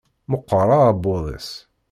Meqqer aɛebbuḍ-is.